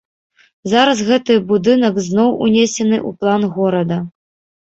Зараз гэты будынак зноў унесены ў план горада.